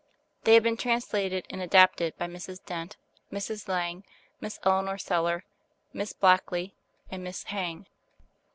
They have been translated and adapted by Mrs. Dent, Mrs. Lang, Miss Eleanor Sellar, Miss Blackley, and Miss hang.